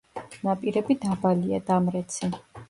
ნაპირები დაბალია, დამრეცი.